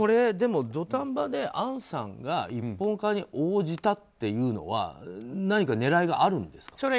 でも土壇場でアンさんが一本化に応じたというのは何か狙いがあるんですか？